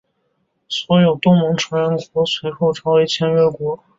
所有东盟成员国随后成为签约国。